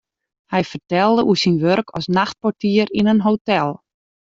Hy fertelde oer syn wurk as nachtportier yn in hotel.